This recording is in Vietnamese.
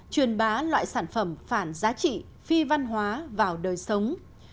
truyền bá loại sản phẩm phản giá trị phi văn hóa vào đời sống